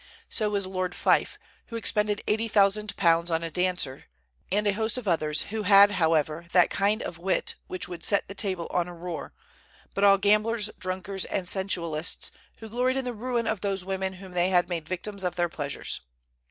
So was Lord Fife, who expended £80,000 on a dancer; and a host of others, who had, however, that kind of wit which would "set the table on a roar," but all gamblers, drunkards, and sensualists, who gloried in the ruin of those women whom they had made victims of their pleasures.